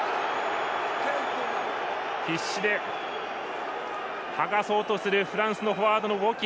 必死ではがそうとするフランスのフォワードのウォキ。